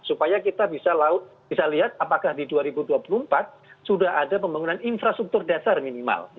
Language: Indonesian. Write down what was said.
supaya kita bisa lihat apakah di dua ribu dua puluh empat sudah ada pembangunan infrastruktur dasar minimal